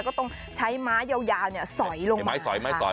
ก็ต้องใช้ไม้ยาวสอยลงมา